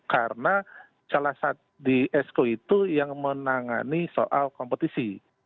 karena celasa di esko itu yang menangani soal kompetisi